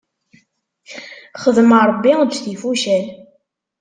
Xdem Ṛebbi, eǧǧ tifucal.